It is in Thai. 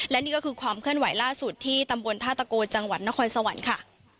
และนี่ก็คือความเคลื่อนไหวล่าสุดที่ตำบลท่าตะโกจังหวัดนครสวรรค์ค่ะ